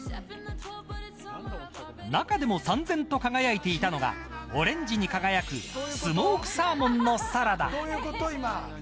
中でもさんぜんと輝いていたのがオレンジに輝くスモークサーモンのサラダ。